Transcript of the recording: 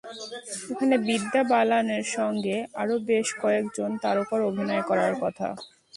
এখানে বিদ্যা বালানের সঙ্গে আরও বেশ কয়েকজন তারকার অভিনয় করার কথা।